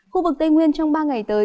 khu vực tây nguyên trong ba ngày tới